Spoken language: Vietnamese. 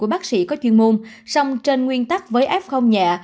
bác sĩ có chuyên môn song trên nguyên tắc với f nhẹ